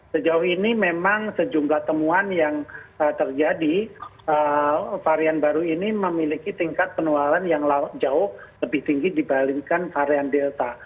sejauh ini memang sejumlah temuan yang terjadi varian baru ini memiliki tingkat penularan yang jauh lebih tinggi dibandingkan varian delta